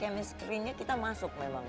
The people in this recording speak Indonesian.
chemistry nya kita masuk memang